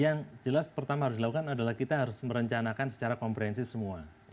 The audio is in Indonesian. yang jelas pertama harus dilakukan adalah kita harus merencanakan secara komprehensif semua